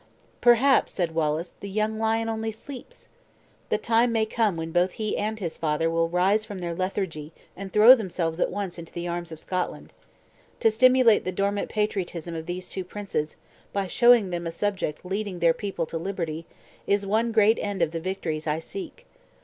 "Perhaps," said Wallace, "the young lion only sleeps! The time may come, when both he and his father will rise from their lethargy, and throw themselves at once into the arms of Scotland. To stimulate the dormant patriotism of these two princes, by showing them a subject leading their people to liberty, is one great end of the victories I seek.